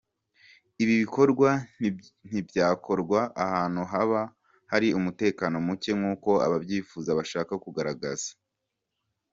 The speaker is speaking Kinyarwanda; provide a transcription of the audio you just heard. Ibi bikorwa ntibyakorwa ahantu haba hari umutekano muke nkuko ababyifuza bashaka kugaragaza.